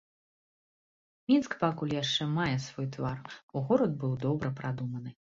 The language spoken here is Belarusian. Мінск пакуль яшчэ мае свой твар, бо горад быў добра прадуманы.